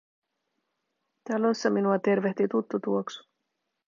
Talossa minua tervehti tuttu tuoksu.